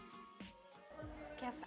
sebenarnya peranti masak apa yang baik